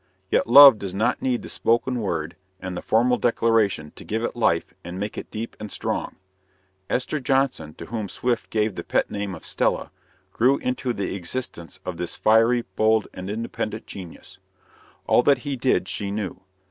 Yet love does not need the spoken word and the formal declaration to give it life and make it deep and strong. Esther Johnson, to whom Swift gave the pet name of "Stella," grew into the existence of this fiery, hold, and independent genius. All that he did she knew.